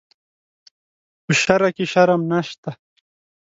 په شرعه کې شرم نشته.